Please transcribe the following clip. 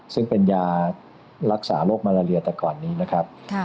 ซึ่งเป็นยารักษาโรคมาลาเลียแต่ก่อนนี้นะครับ